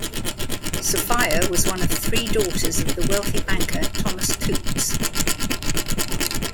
Sophia was one of three daughters of the wealthy banker Thomas Coutts.